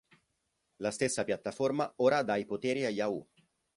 La stessa piattaforma ora da i poteri a Yahoo!